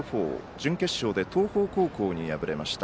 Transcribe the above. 準決勝で東邦高校に敗れました。